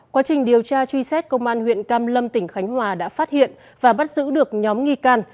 quá trình điều tra truy xét công an huyện cam lâm tỉnh khánh hòa đã phát hiện và bắt giữ được nhóm nghi can